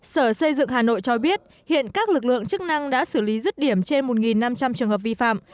sở xây dựng hà nội cho biết hiện các lực lượng chức năng đã xử lý rứt điểm trên một năm trăm linh trường hợp vi phạm